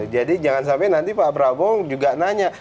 jadi jangan sampai nanti pak prabowo juga nanya